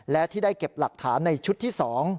และที่ได้เก็บหลักฐานในชุดที่๒